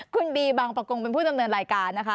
คุณบีบางประกงเป็นผู้ดำเนินรายการนะคะ